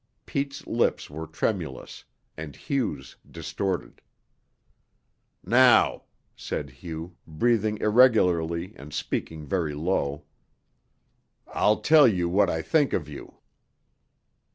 Pete's lips were tremulous, and Hugh's distorted. "Now," said Hugh, breathing irregularly and speaking very low, "I'll tell you what I think of you."